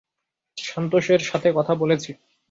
সান্তোসের সাথে কথা বলেছি।